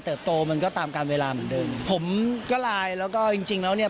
โตมันก็ตามการเวลาเหมือนเดิมผมก็ไลน์แล้วก็จริงจริงแล้วเนี่ย